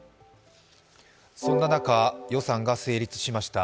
そんな中、予算が成立しました。